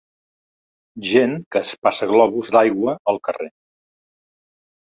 Gent que es passa globus d'aigua al carrer